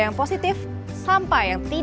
yang positif sampai yang